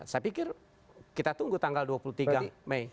saya pikir kita tunggu tanggal dua puluh tiga mei